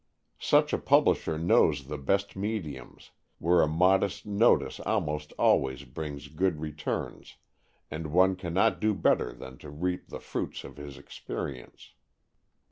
Such a publisher knows the best mediums, where a modest notice almost always brings good returns, and one cannot do better than to reap the fruits of his experience.